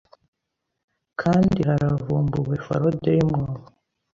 Kandi haravumbuwe forode yumwobo